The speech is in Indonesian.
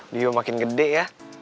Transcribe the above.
dio makin gede yah